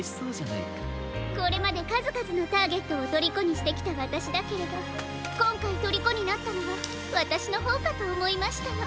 これまでかずかずのターゲットをとりこにしてきたわたしだけれどこんかいとりこになったのはわたしのほうかとおもいましたの。